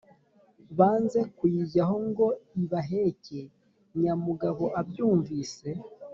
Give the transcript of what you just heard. banze kuyijyaho ngo ibaheke!»nyamugabo abyumvise,